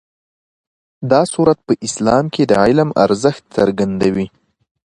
دا سورت په اسلام کې د علم ارزښت څرګندوي.